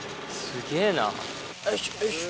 すげぇな。